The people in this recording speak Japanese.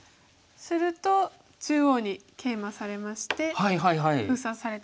すると中央にケイマされまして封鎖されてしまいます。